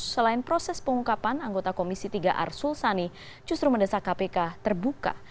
selain proses pengungkapan anggota komisi tiga arsul sani justru mendesak kpk terbuka